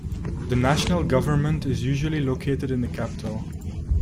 The national government is usually located in the capital.